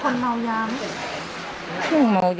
ใกล้ใกล้กันเลย